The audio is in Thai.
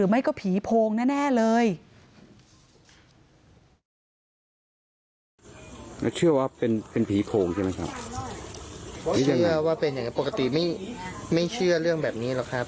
มันก็มีภาพแบบนี้แหละครับ